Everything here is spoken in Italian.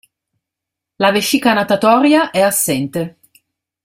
La vescica natatoria è assente.